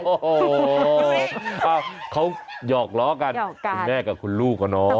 โอ้โหเขาหยอกล้อกันคุณแม่กับคุณลูกอะเนาะ